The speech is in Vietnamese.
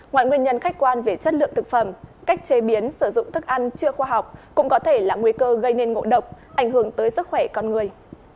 ngoài nguyên nhân khách quan về chất lượng thực phẩm cách chế biến sử dụng thức ăn chưa khoa học cũng có thể là nguy cơ gây nên ngộ độc ảnh hưởng tới sức khỏe con người